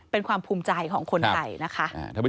เป็นความภูมิใจของคนไทยนะคะ